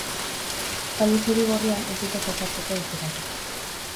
Talde zuri-gorrian ez dute jokatzeko aukerarik.